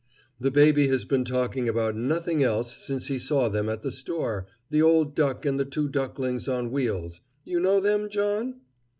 The baby has been talking about nothing else since he saw them at the store, the old duck and the two ducklings on wheels. You know them, John?"